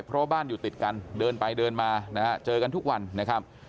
เพราะบ้านอยู่ติดกันเดินไปเดินมานะฮะเจอกันทุกวันนะครับ